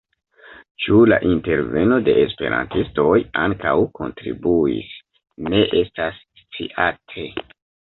Ĉu la interveno de esperantistoj ankaŭ kontribuis, ne estas sciate.